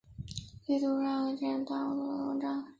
用户自身亦可以修改其他国人所写的文章。